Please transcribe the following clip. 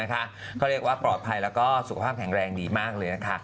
เขาเรียกว่าปลอดภัยแล้วก็สุขภาพแข็งแรงดีมากเลยนะคะ